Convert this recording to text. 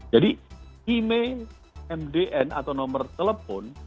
jadi email mdn atau nomor telepon